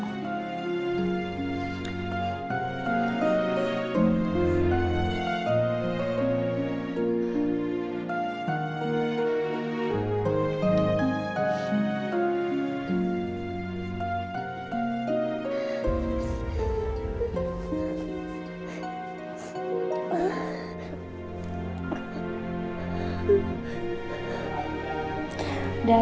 sebentar sebentar sebentar sebentar